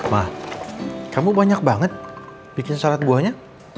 ma kamu banyak banget bikin sarat buahnya